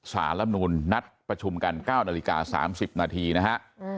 สารรัฐธรรมนูญนัดประชุมกัน๙นาฬิกา๓๐นาทีนะฮะ